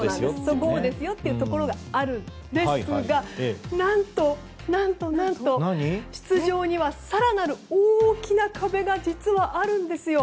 ゴーですよというところがあるんですが何と、出場には更なる大きな壁が実はあるんですよ。